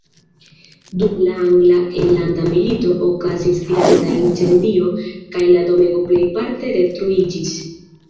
Dum la angla enlanda milito okazis granda incendio, kaj la domego plejparte detruiĝis.